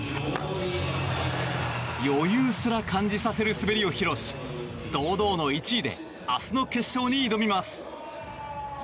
余裕すら感じさせる滑りを披露し堂々の１位で明日の決勝に挑みます。